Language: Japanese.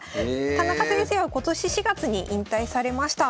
田中先生は今年４月に引退されました。